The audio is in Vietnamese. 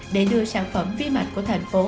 để đưa sản phẩm vi mạch của thành phố